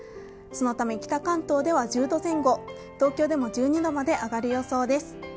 そのため北関東では１０度前後、東京でも１２度まで上がる予想です。